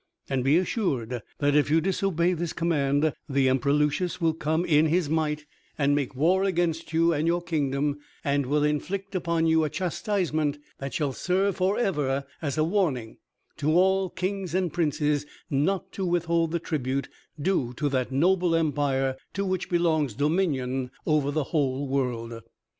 And be assured that if you disobey this command, the Emperor Lucius will come in his might and make war against you and your kingdom, and will inflict upon you a chastisement that shall serve for ever as a warning to all kings and princes not to withhold the tribute due to that noble empire to which belongs dominion over the whole world."